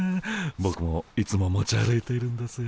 ボクもいつも持ち歩いているんですよ。